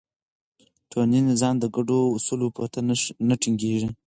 ټولنیز نظم د ګډو اصولو پرته نه ټینګېږي.